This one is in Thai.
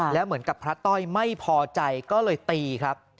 แล้วเหมือนกับพระต้อยไม่พอใจก็เลยตีครับ